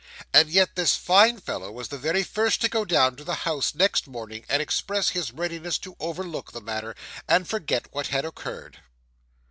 And yet this fine fellow was the very first to go down to the house next morning and express his readiness to overlook the matter, and forget what had occurred!